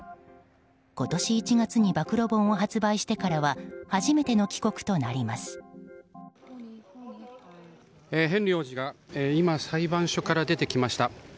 今年１月に暴露本を発売してからはヘンリー王子が今裁判所から出てきました。